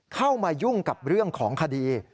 เข้ามายุ่งกับเรื่องของคดี